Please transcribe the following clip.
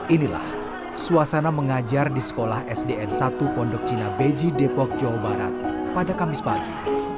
inilah suasana mengajar di sekolah sdn satu pondok cina beji depok jawa barat pada kamis pagi